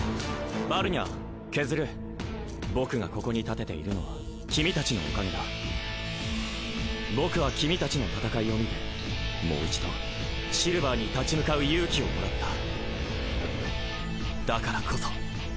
バルニャーケズル僕がここに立てているのは君たちのおかげだ僕は君たちの戦いを見てもう１度シルヴァーに立ち向かう勇気をもらっただからこそ！